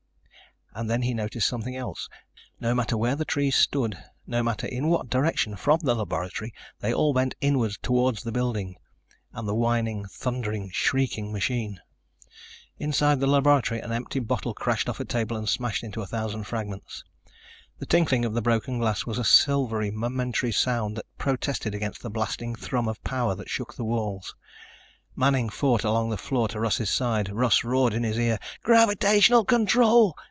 _ And then he noticed something else. No matter where the trees stood, no matter in what direction from the laboratory, they all bent inward toward the building ... and the whining, thundering, shrieking machine. Inside the laboratory an empty bottle crashed off a table and smashed into a thousand fragments. The tinkling of the broken glass was a silvery, momentary sound that protested against the blasting thrum of power that shook the walls. Manning fought along the floor to Russ's side. Russ roared in his ear: "Gravitational control!